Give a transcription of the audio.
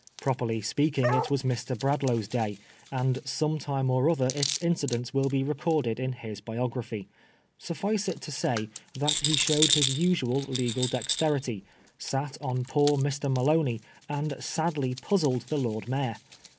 Properly speaking, it was Mr. Bradlaugh's day, and some time or other its incidents will be recorded in his biography. Suffice it to say that he showed his usual legal dexterity, sat on poor Mr. Maloney, and sadly puzzled the Lord Mayor.